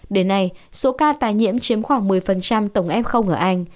đến nay số ca tái nhiễm chiếm khoảng một mươi tổng f ở anh